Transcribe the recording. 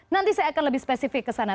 nanti saya akan lebih spesifik kesana